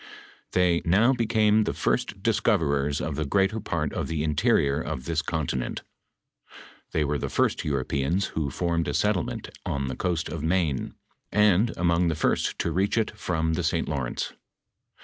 Tliey "now became the first discoverers of the greater part of the interior of this continent. They were the firet Europeans who formed a settlement on the coast of Maine, and among the first to reach it from tlie St. Lawrence.